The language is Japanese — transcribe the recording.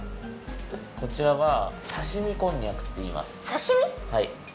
こちらはさしみこんにゃくっていいます。